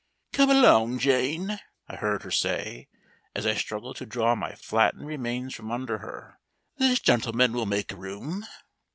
"Come along, Jane," I heard her say, as I struggled to draw my flattened remains from under her; "this gentleman will make room."